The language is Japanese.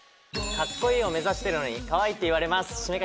かっこいいを目指してるのにかわいいって言われます七五三掛